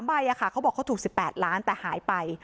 ๓ใบ่อ่ะค่ะเขาบอกถูก๑๘ล้านต่อหายไป